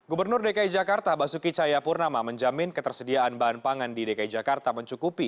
gubernur dki jakarta basuki cayapurnama menjamin ketersediaan bahan pangan di dki jakarta mencukupi